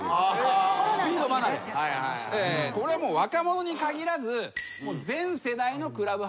これはもう若者に限らず。